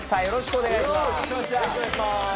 よろしくお願いします。